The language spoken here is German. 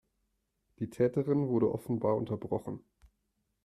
Die Täterin wurde offenbar unterbrochen.